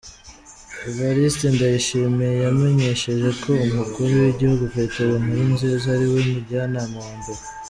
Evariste Ndayishimiye yamenyesheje ko umukuru w’igihugu Petero Nkurunziza ari we mujyanama wa mbere.